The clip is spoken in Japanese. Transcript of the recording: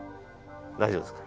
大丈夫ですか？